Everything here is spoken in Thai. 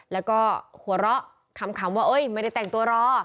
แล้วก็หัวเราะขำว่าไม่ได้แต่งตัวรอ